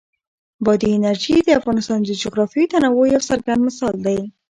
بادي انرژي د افغانستان د جغرافیوي تنوع یو څرګند مثال دی.